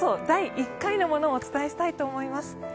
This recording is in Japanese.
第１回のものをお伝えしたいと思います。